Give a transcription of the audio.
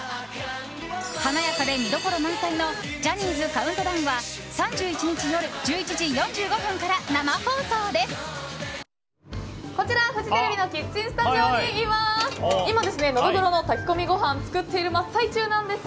華やかで見どころ満載の「ジャニーズカウントダウン」は３１日夜１１時４５分から生放送です。